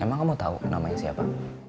emang kamu tahu namanya siapa